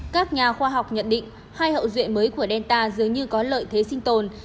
các nhà khoa học nhận định hai hậu duệ mới của delta dường như có lợi thế sinh tồn